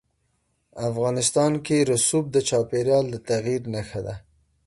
افغانستان کې رسوب د چاپېریال د تغیر نښه ده.